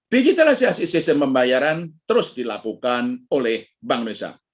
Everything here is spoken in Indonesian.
digitalisasi sistem pembayaran terus dilakukan oleh bank indonesia